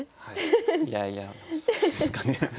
いやいやそうですかね。